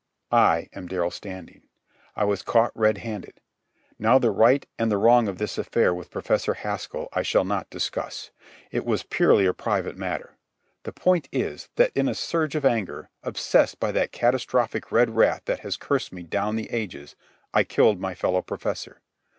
I am Darrell Standing. I was caught red handed. Now the right and the wrong of this affair with Professor Haskell I shall not discuss. It was purely a private matter. The point is, that in a surge of anger, obsessed by that catastrophic red wrath that has cursed me down the ages, I killed my fellow professor.